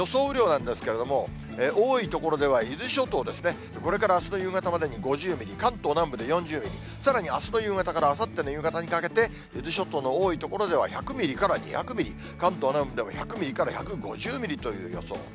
雨量なんですけれども、多い所では、伊豆諸島ですね、これからあすの夕方までに５０ミリ、関東南部で４０ミリ、さらにあすの夕方からあさっての夕方にかけて、伊豆諸島の多い所では１００ミリから２００ミリ、関東南部でも１００ミリから１５０ミリという予想。